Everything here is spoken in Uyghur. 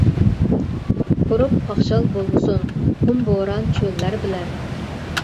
قۇرۇپ قاقشال بولمىسۇن، قۇم بوران چۆللەر بىلەن.